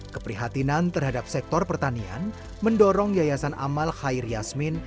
keprihatinan terhadap sektor pertanian mendorong yayasan amal khair yasmin